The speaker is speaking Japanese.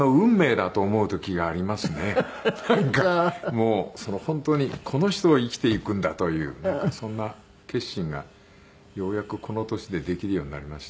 もう本当にこの人と生きていくんだというそんな決心がようやくこの年でできるようになりました。